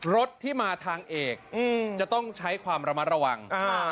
รถที่มาทางเอกจะต้องใช้ความระมัดระวัง